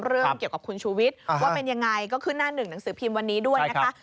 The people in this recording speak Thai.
เรื่องเกี่ยวกับคุณชูวิทย์ว่าเป็นยังไงก็ขึ้นหน้าหนึ่งหนังสือพิมพ์วันนี้ด้วยนะคะ